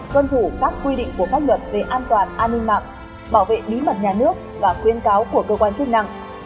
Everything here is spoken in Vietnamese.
tuân thủ các quy định của pháp luật về an toàn an ninh mạng bảo vệ bí mật nhà nước và khuyến cáo của cơ quan chức năng